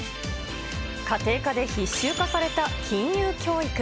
家庭科で必修化された金融教育。